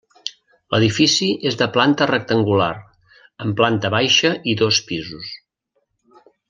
L'edifici és de planta rectangular amb planta baixa i dos pisos.